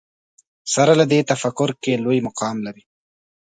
سره له دې تفکر کې لوی مقام لري